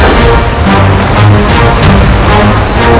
aku akan menang